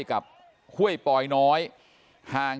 ขอบคุณทุกคน